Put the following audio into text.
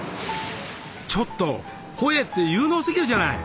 ちょっとホエーって有能すぎるじゃない。